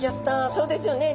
そうですよね。